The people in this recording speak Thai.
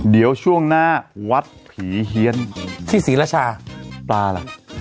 เดี๋ยวช่วงหน้าวัดผีเฮียนที่ศรีรชาปลาล่ะ